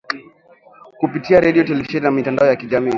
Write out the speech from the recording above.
kupitia redio televisheni na mitandao ya kijamii